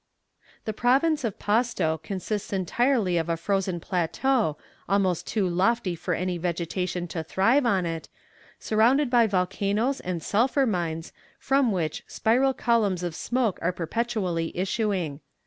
The province of Pasto consists entirely of a frozen plateau almost too lofty for any vegetation to thrive on it, surrounded by volcanoes and sulphur mines from which spiral columns of smoke are perpetually issuing.